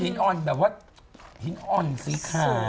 มันเป็นหินอ่อนสีขาว